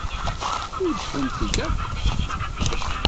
Udfent-d akk.